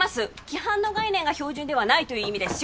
規範の概念が標準ではないという意味です